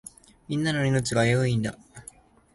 みんなの命が危ういんだ。